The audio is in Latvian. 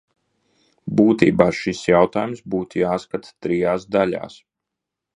Būtībā šis jautājums būtu jāskata trijās daļās.